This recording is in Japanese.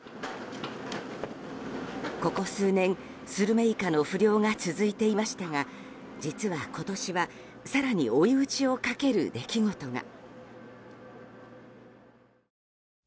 ここ数年、スルメイカの不漁が続いていましたが実は今年は更に追い打ちをかける出来事が。